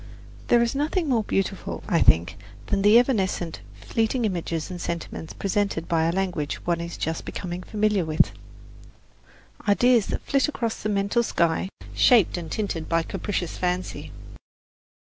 There is nothing more beautiful, I think, than the evanescent fleeting images and sentiments presented by a language one is just becoming familiar with ideas that flit across the mental sky, shaped and tinted by capricious fancy.